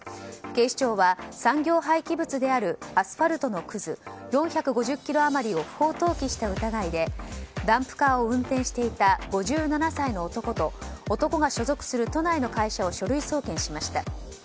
警視庁は産業廃棄物であるアスファルトのくず４５０ｋｇ余りを不法投棄した疑いでダンプカーを運転していた５７歳の男と男が所属する都内の会社を書類送検しました。